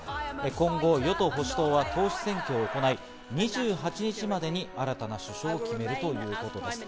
今後、与党、保守党は党首選挙を行い、２８日までに新たな首相を決めるということです。